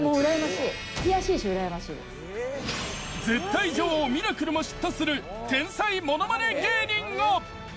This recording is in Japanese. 絶対女王ミラクルも嫉妬する天才ものまね芸人が。